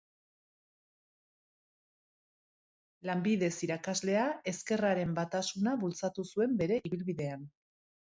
Lanbidez irakaslea, ezkerraren batasuna bultzatu zuen bere ibilbidean.